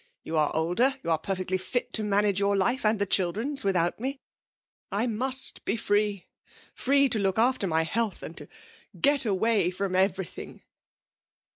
You are older, you are perfectly fit to manage your life and the children's without me. I must be free free to look after my health and to get away from everything!'